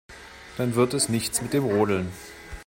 Dann wird es nichts mit dem Rodeln.